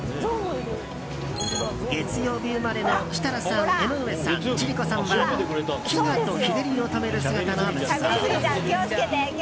月曜日生まれの設楽さん江上さん、千里子さんは飢餓と日照りを止める姿の仏像。